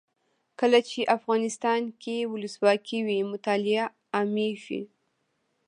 کله چې افغانستان کې ولسواکي وي مطالعه عامیږي.